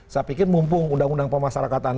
saya pikir mumpung undang undang pemasarakatan